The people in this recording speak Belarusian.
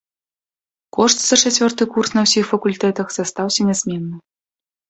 Кошт за чацвёрты курс на ўсіх факультэтах застаўся нязменным.